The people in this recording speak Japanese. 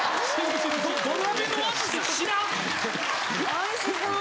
おいしそう。